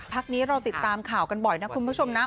พักนี้เราติดตามข่าวกันบ่อยนะคุณผู้ชมนะ